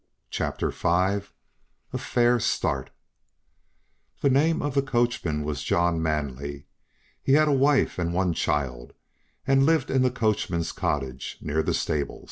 CHAPTER V A FAIR START The name of the coachman was John Manly; he had a wife and one child, and lived in the coachman's cottage, near the stables.